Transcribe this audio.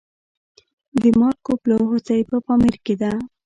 د مارکوپولو هوسۍ په پامیر کې ده